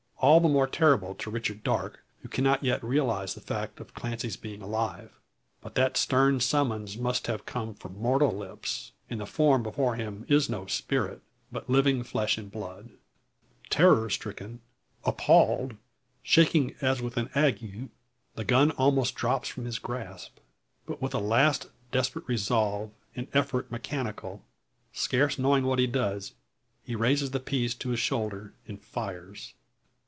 All the more terrible to Richard Darke, who cannot yet realise the fact of Clancy's being alive. But that stern summons must have come from mortal lips, and the form before him is no spirit, but living flesh and blood. Terror stricken, appalled, shaking as with an ague, the gun almost drops from his grasp. But with a last desperate resolve, and effort mechanical, scarce knowing what he does, he raises the piece to his shoulder, and fires.